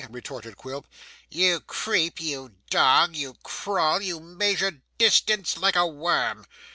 retorted Quilp; 'you creep, you dog, you crawl, you measure distance like a worm.